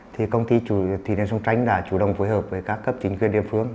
thì công ty thủy điện sông tranh đã chủ động phối hợp với các cấp chính quyền địa phương